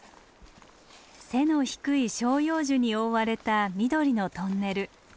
背の低い照葉樹に覆われた緑のトンネル。